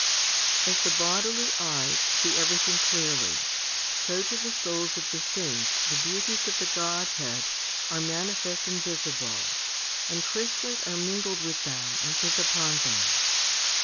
1. As the bodily eyes see everything clearly, so to the souls of the saints the beauties of the Godhead are manifest and visible, and Christians are mingled with them and think upon them.